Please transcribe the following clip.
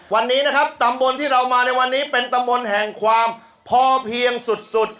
วันนี้นะครับตำบลที่เรามาในวันนี้เป็นตำบลแห่งความพอเพียงสุด